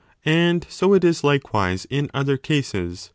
And so it is likewise in other cases.